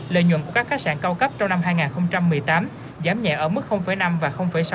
lợi nhuận của các khách sạn cao cấp trong năm hai nghìn một mươi tám giảm nhẹ ở mức năm và sáu mươi